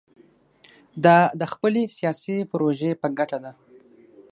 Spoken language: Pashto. دا د خپلې سیاسي پروژې په ګټه ده.